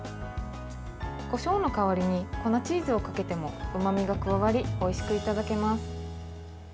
こしょうの代わりに粉チーズをかけてもうまみが加わりおいしくいただけます。